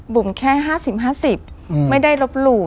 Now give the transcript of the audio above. บุ๋มแค่๕๐๕๐ไม่ได้ลบหลู่